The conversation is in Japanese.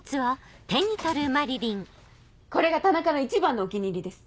これが田中の一番のお気に入りです。